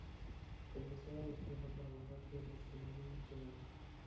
Regresó a la Tierra para vengarse de los que le habían hecho daño.